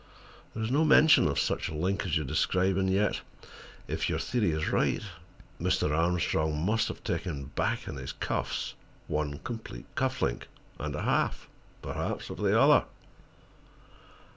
There is no mention of such a link as you describe, and yet, if your theory is right, Mr. Armstrong must have taken back in his cuffs one complete cuff link, and a half, perhaps, of the other."